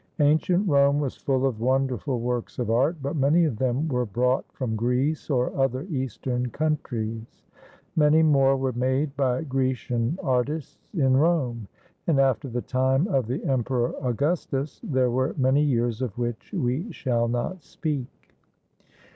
Ancient Rome was full of won derful works of art; but many of them were brought from Greece or other Eastern countries. Many more were made by Grecian artists in Rome, and after the time of the Emperor Augustus there were many years of which we shall not speak.